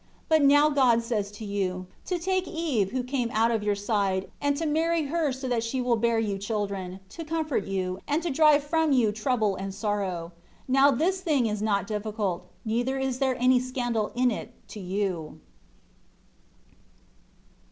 But now God says to you, to take Eve who came out of your side, and to marry her so that she will bear you children, to comfort you, and to drive from you trouble and sorrow; now this thing is not difficult, neither is there any scandal in it to you.